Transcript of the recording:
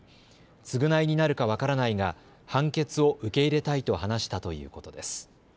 償いになるか分からないが判決を受け入れたいと話したということです。